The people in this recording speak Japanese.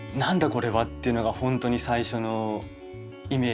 これはっていうのが本当に最初のイメージで。